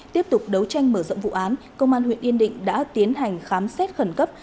tiếp tục đấu tranh mở rộng vụ án công an huyện yên định đã tiến hành khám xét khẩn cấp